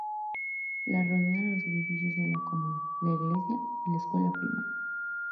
La rodean los edificios de la Comuna, la Iglesia, la Escuela Primaria.